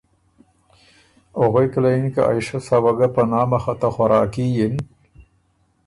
او غوېکه وه یِن که ائ شۀ سوه ګه په نامه خه ته ”خوراکي“ یِن